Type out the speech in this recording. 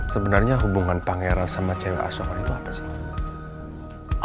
sebenarnya hubungan pangeran sama cewek aso itu apa sih